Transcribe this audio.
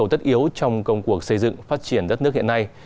trong công cuộc xây dựng phát triển đất nước hiện nay